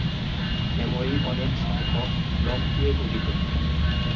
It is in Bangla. মেমরি অনেক সংখ্যক ব্লক নিয়ে গঠিত।